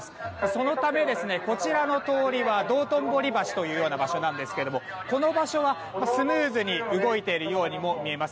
そのため、こちらの通りは道頓堀橋という場所なんですがこの場所は、スムーズに動いているようにも見えます。